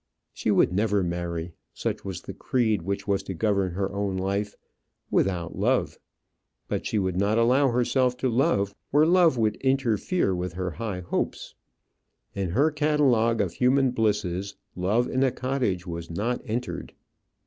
She would never marry such was the creed which was to govern her own life without love; but she would not allow herself to love where love would interfere with her high hopes. In her catalogue of human blisses love in a cottage was not entered.